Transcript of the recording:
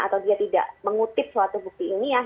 atau dia tidak mengutip suatu bukti ilmiah